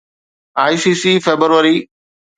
ICC February